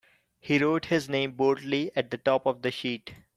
He wrote his name boldly at the top of the sheet.